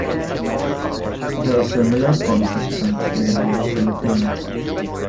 There are similar confections made in the Philippines.